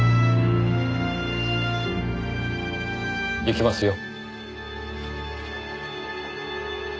行きますよ。